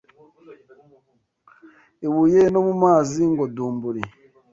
Ibuye no mu mazi ngo:Dumburi!»